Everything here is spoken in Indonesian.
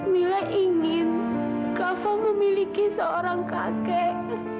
mila ingin kak fadil memiliki seorang kakek